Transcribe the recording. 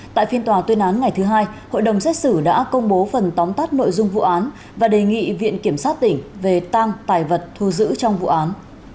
tại phiên tòa tuyên án ngày thứ hai hội đồng xét xử đã công bố phần tóm tắt nội dung vụ án và đề nghị viện kiểm sát tỉnh về tăng tài vật thu giữ trong vụ án